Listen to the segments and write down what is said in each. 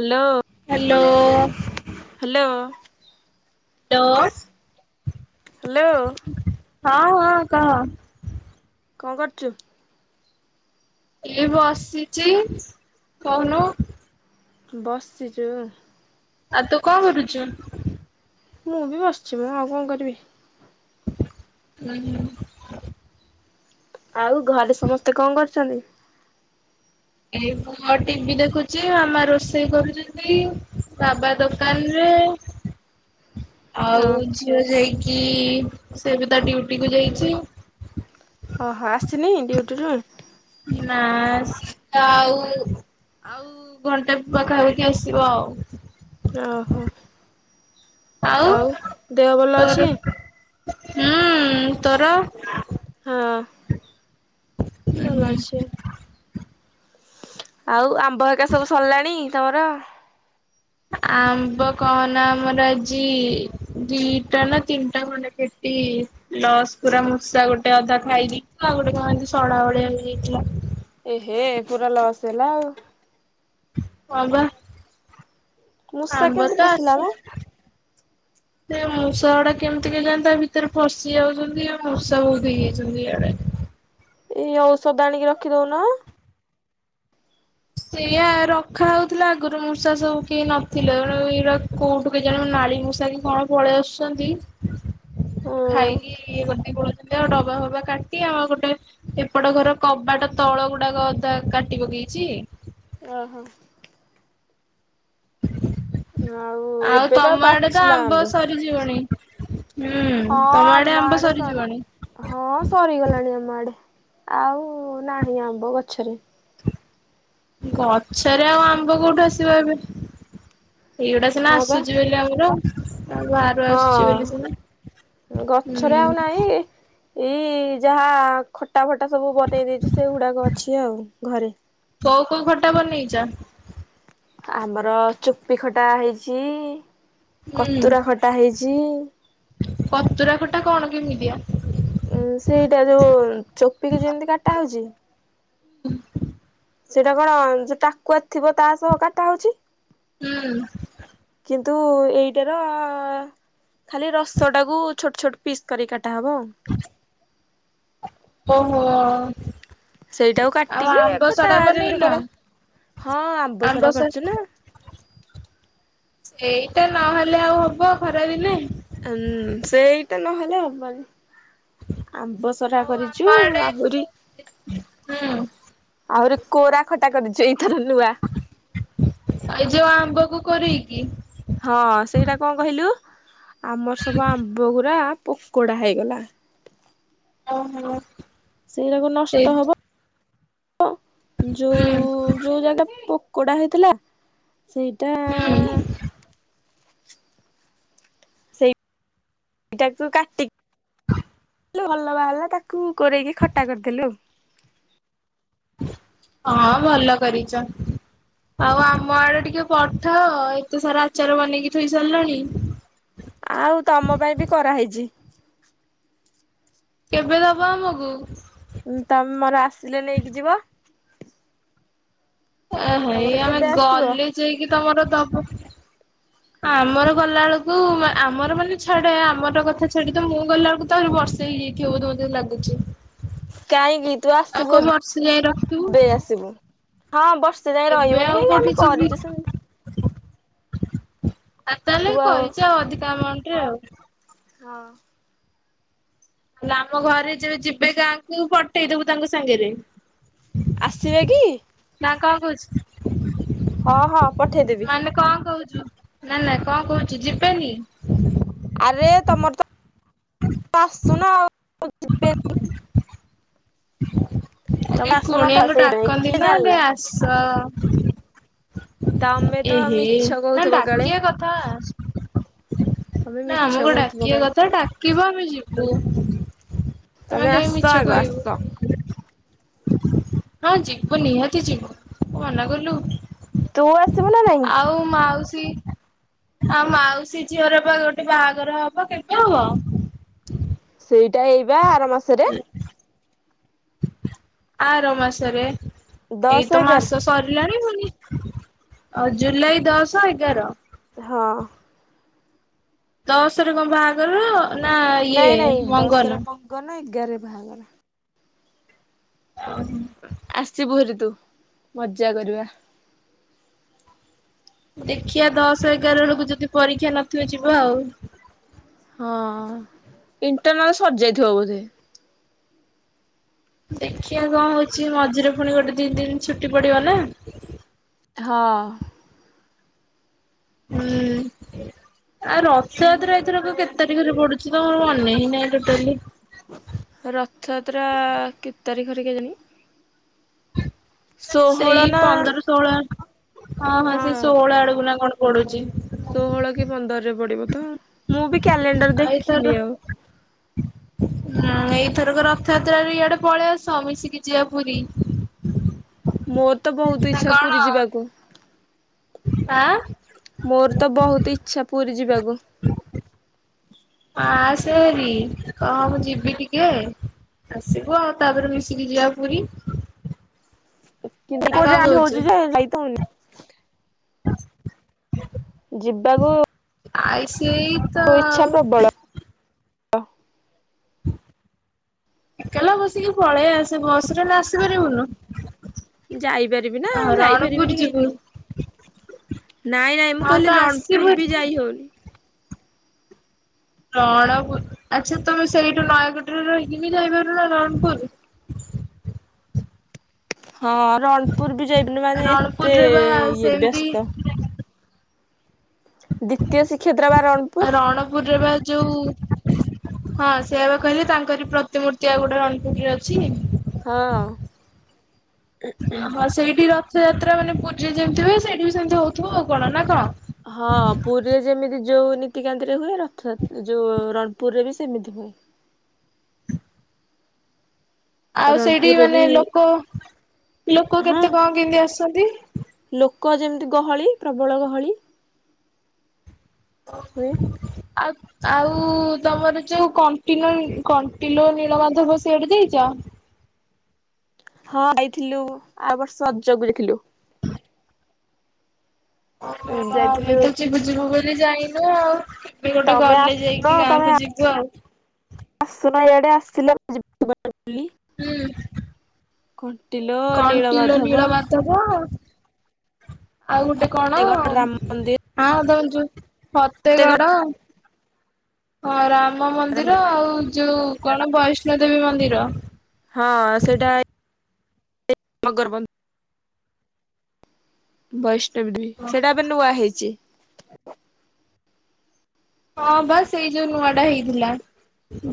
Hello. Hello. Hello. Hello ଓ। Hello. ହଁ ହଁ କହ? କଣ କରୁଛୁ? ଏଏ ବି ଆସିଛି କହୁନୁ। ବସିଛୁ। ଆଉ ତୁ କଣ କରୁଛୁ? ମୁଁ ବି ବସିଛି ମ, ମୁଁ ଆଉ କଣ କରିବି? ହୁ ହ। ଆଉ ଘରେ ସମସ୍ତେ କଣ କରୁଛନ୍ତି? ଏଇ ମୁୁ ଟିଭି ଦେଖୁଛି, ଆମ ରୋଷେଇ କରୁଛନ୍ତି, ବାବା ଦୋକାନରେ ଓ ଆଉ ଝିଅ ଯାଇକି ସେ ବି ତା ଡ୍ୟୁଟିକୁୁ ଯାଇଚି। ଓହୋ ଆସିନି ଡ୍ୟୁଟିରୁୁ? ନା ସେ ତ ଆଉ ଆଉ ଘଣ୍ଟେ ପାଖାପାଖି ଆସିବ ଆଉ। ଓହୋ ଆଉ ଦେହ ଭଲ ତୋର ଅଛି? ହୁଁ ତୋର? ହଁ ଭଲ ହୁଁ ଅଛି। ଆଉ ଆମ୍ବ ହରିକା ସବୁ ସରିଲାଣି ତମର? ଆମ୍ବ କହନା ଆମର ଆଜି ଦିଇଟା ନା ତିନଟା ଖଣ୍ଡେ ପେଟି ଲସ୍ ପୁରା ମୂଷା ଗୋଟେ ଅଧା ଖାଇ ଦେଇଥିଲା ଆଉ ଗୋଟେ କଣ ଏମତି ସଢା ଭଳିଆ ହେଇଯାଇଥିଲା। ଏହେ ପୁରା ଲସ୍ ହେଲା ଆଉ। ହଁପା। ମୂଷା ଆମ୍ବ କେମିତି ତ ପଶିଲା ମ ଆସିଛି ସେ ମୁଷ୍ ଷାଗୁଡା କେମିତି କେଜାଣି ତା ଭିତରେ ପସିି ଯାଉଚନ୍ତି ଆଉ ମୂଷା ବୋହୁତ ହେଇଯାଇଚନ୍ତି ୟାଡେ। ଇଏ ଓଷଦ ଆଣିକି ରଖିଦୋଉନ। ସେଇଆ ରଖା ହୋଉଥୁଲା ଆଗରୁ ମୂଷା ସବୁ କେହି ନଥିଲା ଏଉଡା ଏଇରା କୋଉଠୁ କେଜାଣି ମାନେ ଆ କାଳି ମୂଷାକି କଣ ପଳେଆସୁଚନ୍ତି ହଁ ଖାଇକି ଇଏ କରିଦେଇ ପଳୋଉଚନ୍ତି ଆଉ ଡବା ଫବା କାଟି ଆଉ ଗୋଟେ ସେପଟ ଘର କବାଟ ତଳ ଗୁଡାକ ଦ ତାକୁ କାଟି ପକେଇଚି। ଓହୋ। ଆଉ ତମ ଆଡେ ତ ଆମ୍ବ ସରିଯିବଣି? ହୁଁ ହଁ ତମ ଆମ ଆମ୍ବ ଆଡେ ସରି ସରିଯିବଣି। ହଁ ସରିଗଲାଣି ଆମ ଆଡେ। ଆଉ ନାହିଁ ଆମ୍ବ ଗଛରେ। ଗଛରେ ଆଉ ଆମ୍ବ କୋଉଠୁ ଆସିବ ଏବେ। ଏଇଗୁଡା ସିନା ହଁ ବା। ଆସୁଚି ବୋଲି ଆମର। ଆଉ ବାହାରୁ ଆସୁଛି ବୋଲି ସିନା ହଁ ଗଛରେ ହୁଁ ଆଉ ନାହିଁ। ଏଇ ଯାହା ଖଟା ଫଟା ସବୁ ବନେଇ ଦେଇଚି ସେଗୁଡାକ ଅଛି ଆଉ ଘରେ। କୋଉ କୋଉ ଖଟା ବନେଇଚ? ଆମର ଚୋପି ଖଟା ହେଇଚି। ହୁଁ କତୁରା ଖଟା ହେଇଚି। କତୁରା କଟା କଣ କିମିତିଆ? ଉଁ ସେଇଟା ଯୋଉ ଚୋପିକି ଯେମିତି କାଟା ହଉଛି। ହଁ ସେଇଟା କଣ ଯିଏ ଟାକୁଆ ଥିବ ତାସହ କାଟା ହୋଉଚି ହୁଁ କିନ୍ ନ୍ତୁ ଏଇଟାର ଖାଲି ରସଟାକୁୁ ଛୋଟ୍ ଛୋଟ୍ ପିସ୍ କରି କା ଟା ହବ ଆଉ। ଓହୋ। ସେଇଟାକୁ ଆଉ କାଟିକି ଆମ୍ବ ଖଟା ସଡା ବନେଇନ ଯେମିତି କର ହଁ ଆମ୍ବ ଆମ୍ବସରା ସ କରଚୁ ନା। ସେଇ ତ ନହେଲେ ଆଉ ହବ ଖରାଦିନେ। ଅନ୍-ସେଇଟା ନହେଲେ ହବନି। ଆମ୍ବସରା ଆଉ ଆମ କରିଚୁ ଆଡେ ଆହୁରି ହୁଁ ଆହୁରି କୋରା ଖଟା କରିଚୁ ଏଇ ଏଇ ଯୋଉ ଆମ୍ବକୁ କୋରକି? ହଁ ସେଇଟା କଣ କହିଲୁ ଆମର ସବୁ ଆମ୍ବଗୁୁରା ପୋକୋଡ଼ା ହେଇଗଲା। ଓହୋ। ସେଇରାକ ସେଇ ନଷ୍ଟ ହବ ଯୋଉ ହୁଁ ଯୋଉ ଜାଗା ପୋକୋଡା ହେଇଥିଲା ସେଇଟା ହୁଁ ଏଇଟାକୁ କାଟି ଭଲ ବାହାର ତାକୁ କୋରେଇକି ଖଟା କରିଥିଲୁ। ହଁ ଭଲ କରିଛ। ଆଉ ଆମ ଆଡେ ଟିକେ ପଠ ଏତେ ସାରା ଆଚାର ବନେଇକି ଥୋଇ ସାରିଲାଣି। ଆଉ ତମ ପାଇଁ ବି କରାହେଇଛି। କେବେ ଦବା ଆମକୁ? ତମେ ମୋର ଆସିଲେ ନେଇକି ଯିବ। ଆ ହେ ଏଇ ତମର ଆମେ କେବେ ଆସିବ? ଗଲେ ଯାଇକି ତମର ଦବ। ଆମର ଗଲାବେେଳକୁ, ଆମର ମାନେ ଛାଡେ ଆମର କଥା ଛାଡି ତ ମୁଁ ଗଲାବେେଳକୁ ତ ଆହୁରି ବର୍ଷ ହେଇଛି। କେଉ ଦୋ ଦିନ ଲାଗଗୁଛି [unintelligible] କାହିଁକି ତୁ ଆସିବୁ, ଯାଏ ରଖିବୁ। ଏବେ ଆସିବୁ, ହଁ ବ ସେ ଯାଇଏ ଏବେ ରହିବନି ଆଉ କାହିଁକି? କୋଉଠି ଆମେ ଯିବି କରିଛୁ ସେମତି ଆଉ ତାହେଲେ କରିଛ ଆଉ ଅଧିକା ଆମାଉଣ୍ଟରେ ଆଉ ହଁ। ହେଲେ, ଆମ ଘରେ ଯେବେ ଯିବେ ଗାଁକୁ ପଠେଇଦବୁ ତାଙ୍କ ସାଙ୍ଗରେ ଆସିବେ କି? କାଗଜ [unintelligible] ହଁ, ହଁ। ପଠେଇଦେବି। ମାନେ କଣ କହୁଛୁ? ନାଇ ନାଇ କଣ କହୁଛୁ ଯିବେନି ଆରେ ତମର ତ, ଆସୁ ନ ଆଉ [inaudible] ଏ ତମେ ଆସୁନ ତ କୁଣିଆଙ୍କୁ ସେଇଥିପାଇଁ ଡାକନ୍ତି କିଏ ନା, ଏ ଜାଣିଲା। ଆସ ତମେ ତ ଏହ, ମିଛ ନା କହୁଥିବ କାଳେ ଡାକିଆ କଥା। ତମେ ନା ମିଛ ଆମକୁ କହୁଥିବ ଡାକିବା କାଳେ। କଥା, ଡାକିବା ଆମେ ଯିବୁ। ତମେ ଆସ ଆଗ ଆସ [unintelligible] କୁନିହାତି ଯିବ, କୁହନା ଗୁଲୁ! ! ତୁ ଆସିବୁ ନା ନାଇଁ? [unintelligible] ଆଉ ମାଉସୀ ଝିଅର ବା ଗୋଟେ ବାହାଘର ହବ, କେବେ ହବ? ସେଇଟା ଏଇବା, ଆର ମାସରେ। ଆର ମାସରେ ଦଶ ଏଇତ ଏଗାର ମାସ ସରିଲାଣି ଜୁଲାଇ ଦଶ ଏଗାର ହଁ ଦଶରେ କଣ ବାହାଘର ନା ଇଏ ମଙ୍ଗନ? ଏଗାରେ ବାହାଘର ହଁ ଆସିବୁ ଭାରି ତୁ ମଜା କରିବା। ଦେଖିବା ଦଶ ଏଗାର ବେଳକୁ ଯଦି ପରୀକ୍ଷା ନଥିବେ ଯିବା ଆଉ। ହଁ ଇଣ୍ଟରନାଲ ସରିଯାଇଥିବ ବୋଧେ? ଦେଖିବା କଣ ହଉଛି, ମଝିରେ ପୁଣି ଗୋଟେ ଦି ଦିନ ଛୁଟି ପଡିବ ନା ହଁ ହୁଁ, ଆଉ ରଥଯାତ୍ରାର ଏଇଥରକ କେତେ- -ତାରିଖରେ ପଢୁଛି ତ ମୋର ମନହିଁ ନାହିଁ ଟୋଟାଲି ରଥଯାତ୍ରା କେତେ ତାରିଖରେ କେଜାଣି? ଷୋହଳ ସେଇ ନା ପନ୍ଦର ଷୋହଳ ଆଗ ହଁ, ହଁ ସେ ଷୋହଳ ଆଡକୁ ନା କଣ ପଡୁଛି! ! ଷୋହଳ କି ପନ୍ଦରରେ ପଡିବ ତ ମୁଁ ବି କ୍ୟାଲେଣ୍ଡର ଏଇଥର ଦେଖିନି ଆଉ। ହଁ ଏଇଥରକ ରଥଯାତ୍ରା ରେ ଇଆଡେ ପଳେଇ ଆସ ମିଶିକି ଯିବା ପୁରୀ। ମୋର ତ ବହୁତ ନା ଇଛା କଣ ପୁରୀ ଯିବାକୁ। ଆଁ ମୋର ତ ବହୁତ ଇଛା ପୁରୀ ଯିବାକୁ। ହଁ ଆସେ ଭାରି କହ ମୁଁ ଯିବି ଟିକେ ଆସିବୁ ଆଉ ତାପରେ ମିଶିକି ଯିବା ପୁରୀ। ନା କଣ [unintelligible] ହ [unintelligible] ଜିିବାକୁ ଆଇସି ତୋ ଇଚ୍ଛା ପ୍ରବଳ ଏକଲା ବସିକି ପଳେଇ ଆସ ବସ ରେ ନା ଆସିପାରିବୁନୁ? ଯାଇପାରିବି ନା ହଁ ରଣପୁର ଯାଇପାରିବିନି ଯିବୁ କାହିଁକି? ନାଇଁ ନାଇଁ ମୁଁ ହଁ ତ କହିଲି ଆସିବୁ ରଣପୁର ହେରି। ବି ଯାଇହୋଉନି। ରଣପୁର ଆଚ୍ଛା ତମେ ସେଇଠୁ ନୟାଗଡ଼ରେ ରହିକି ଯାଇପାରୁ ନା ରଣପୁର? [unintelligible] ହଁ ରଣପୁର ବି ଯାଇପାନୁ ମାନେ ଏତେ ରଣପୁରରେ ବା ଇଏ ସେମିତି ବ୍ୟସ୍ତ ଦ୍ଵିତୀୟ ଶ୍ରୀକ୍ଷେତ୍ର ବାର ଅନ୍ତି ରଣପୁରରେ ବା ଯୋଉ ହଁ ସେଇଆବା କହିଲି ତାଙ୍କରି ପ୍ରତିମୂର୍ତ୍ତି ଆଉ ଗୋଟେ ରଣପୁର ରେ ଅଛି। ହଁ। ହଁ ସେଇଠି ରଥଯାତ୍ରା ମାନେ ପୁରୀ ରେ ଯେମିତି ହୁଏ ସେଇଠି ବି ସେମିତି ହୋଉଥିବ ଆଉ କଣ ନା କଣ? ହଁ ପୁରୀରେ ଯେମିତି ଯୋଉ ନୀତିକାନ୍ତିରେ ହୁଏ ରଥଯାତ୍ରା ଯୋଉ ରଣ ପୁରରେ ବି ସେମିତି ହୁଏ। ଆଉ ସେଇଠି ରଣପୁରରେ ବି ମାନେ ଲୋକ ଲୋକ ହଁ କେତେ କଣ କେମତି ଆସନ୍ତି? ଲୋକ ଯେମିତି ଗହଳି ପ୍ରବଳ ଗହଳି [inaudible] ହୁଏ। [inaudible] ଆଉ ଆଉ ତମର ଯୋଉ କଣ୍ଟିନ କଣ୍ଟିଲୋ ନୀଳମାଧବ ସିଆଡେ ଯାଇଛ? ହଁ ଯାଇଥିଲୁ ଆଉ ସଜକୁ ଯାଇଥିଲୁ? ଆମେ ଯାଇଥିଲୁ ତ ଯିବୁ ଯିବୁ ବୋଲି ଯାଇନୁ ଆଉ ଗୋଟେ ତମେ ଗଲେ ଆସୁନ ଯଇକି ତମେ ଗାଁକୁ ଯିବୁ ଆଉ। ଆସୁନ ଇଆଡେ ଆସିଲା [unintelligible] ବୋଲି? ହୁଁ। କଣ୍ଟିଲୋ ନୀଳମାଧବ ନୀଳ ମାଧବ ଆଉ ଗୋଟେ କଣ କେତେଗଡ଼ ହଁ ରାମ ମନ୍ଦିର ଆ [inaudible] ଧଉଛୁ କେତେଗଡ଼ ଫତେଗଡ ହଁ ରାମ ମନ୍ଦିର ଆଉ ଯୋଉ କଣ ବୈଷ୍ଣୋ ଦେବୀ ମନ୍ଦିର। ହଁ ସେଇଟା ମଗର ବନ୍ଦ ବୈଷ୍ଣବଦବୀ ସେଇଟା ଏବେ ନୂଆ ହେଇଛି। [inaudible] ହଁ ବା ସେଇ ଯୋଉ ନୂଆ ଟା ହେଇଥିଲା,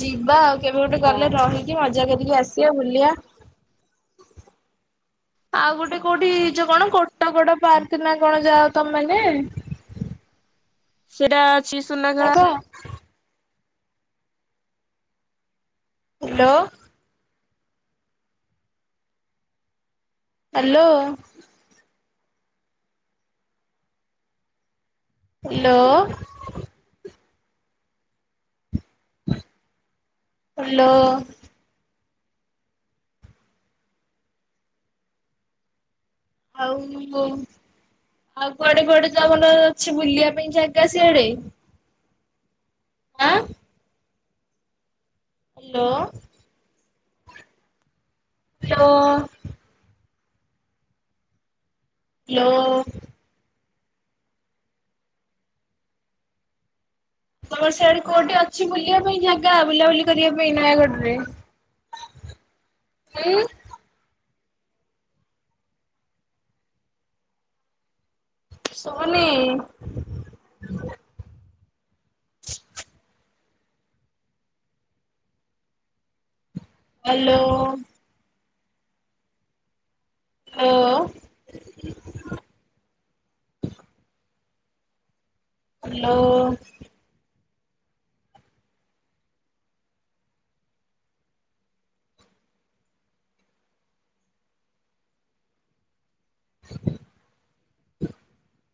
ଯିବା ଆଉ। କେବେ ଗୋଟେ ହଁ। ଗଲେ ରହିକି ମଜା କ ରି କି ଆସିବା ବୁଲିବା। ଆଉ ଗୋଟେ କୋଉଠି ଚ କଣ କ ଟଗଡ ପାର୍କ ନା କଣ ଯାଅ ତମେ ମାନେ? ସେଟା ଅଛି Sunageda [inaudible] hello. Hello. Hello. [inaudible] Hello. ଆଉ ବୋଉ ଆଉ କୁଆଡେ କୁଆଡେ ଯମନ ଅଛି ବୁଲିବା ପାଇଁ ଜାଗା ସିଆଡେ? ଆଁ। ହ୍ୟାଲୋ। ହ୍ୟାଲୋ। ହ୍ୟାଲୋ। ତମର ସେଆଡେ କୋଉଠି ଅଛି ବୁଲିବା ପାଇଁ ଜାଗା ବୁଲାବୁଲି କରିବା ପାଇଁ ନୟାଗଡ ରେ? ହୁଁ। ସୁବୁନି? ହ୍ୟାଲୋ। ଲୋ। ହ୍ୟାଲୋ। [inaudible]